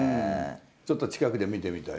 ちょっと近くで見てみたい？